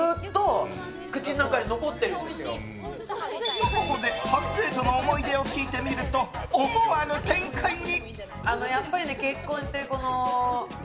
と、ここで初デートの思い出を聞いてみると思わぬ展開に。